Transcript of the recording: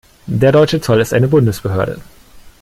Der deutsche Zoll ist eine Bundesbehörde.